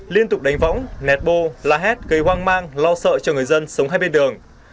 liên tục đánh võng nẹt bô la hét gây hoang mang lo sợ cho người dân sống hai bên đường